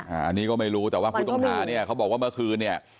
อันนี้ก็ไม่รู้แต่ว่าผู้ต้องหาเนี่ยเขาบอกว่าเมื่อคืนเนี่ย